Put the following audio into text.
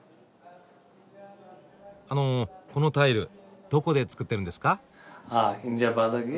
あのこのタイルどこで作ってるんですか？